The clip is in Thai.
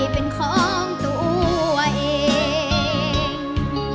เป็นของตัวเอง